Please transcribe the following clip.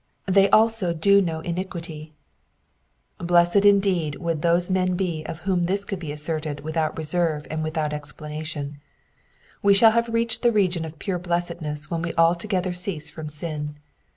^^They also do no iniquity y Blessed indeed would those men be of whom this could be asserted without reserve and without explanation : we shall have reached the region of pure blessedness when we altogether cease from sin.